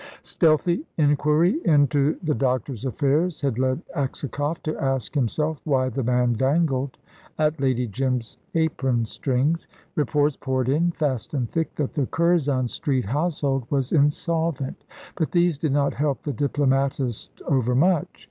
Stealthy inquiry into the doctor's affairs had led Aksakoff to ask himself, why the man dangled at Lady Jim's apron strings. Reports poured in, fast and thick, that the Curzon Street household was insolvent, but these did not help the diplomatist overmuch.